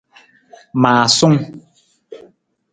Maasung.